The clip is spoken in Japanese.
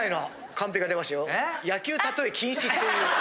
「野球例え禁止！！」という。